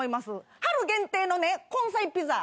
春限定のね根菜ピザ。